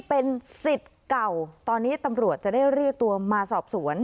เป็นสิทธิ์เก่าตอนนี้ตำรวจจะได้เรียกตัวมาสอบสวน